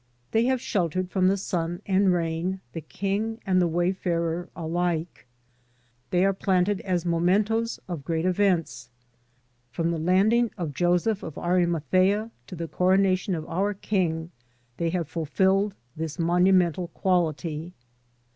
They have sheltered from the sun and rain, the king and the wayfarer alike. They are planted as mementoes of great events. From the landing of Joseph of Arimathea to the coronation of our King, they have fulfilled this monumental quality.